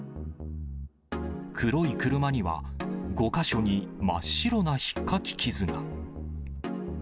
黒い車には、５か所に真っ白なひっかき傷が。